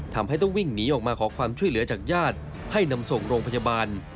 ทำให้ต้องวิ่งหนีออกมาขอความช่วยเหลือจากญาติให้นำส่งโรงพยาบาล